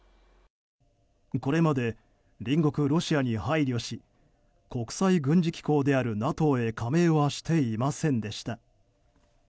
これまで隣国ロシアに配慮し国際軍事機構であるＮＡＴＯへ加盟はしていませんでした。